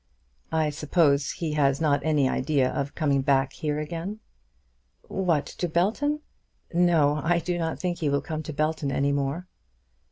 "I suppose he has not any idea of coming back here again?" "What; to Belton? No, I do not think he will come to Belton any more."